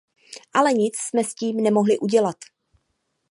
Ale nic jsme s tím nemohli udělat.